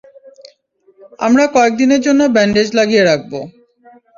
আমরা কয়েক দিনের জন্য ব্যান্ডেজ লাগিয়ে রাখবো।